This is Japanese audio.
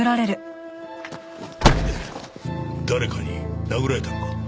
誰かに殴られたのか？